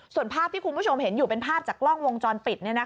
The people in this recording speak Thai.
ส่วนภาพที่คุณผู้ชมเห็นอยู่เป็นภาพจากกล้องวงจรปิด